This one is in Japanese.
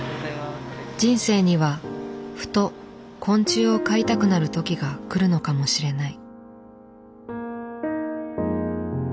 人生にはふと昆虫を飼いたくなるときが来るのかもしれない。